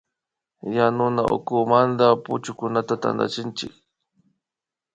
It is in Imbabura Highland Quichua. Yanuna ukumanta puchukunata tantachinchik